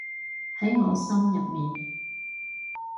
喺我心入面